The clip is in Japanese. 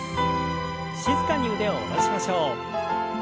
静かに腕を下ろしましょう。